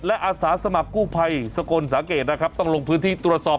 และอาศาสมัครกู้ภัยสโกนสาเกตที่ต้องลงที่ที่ตรวจสอบ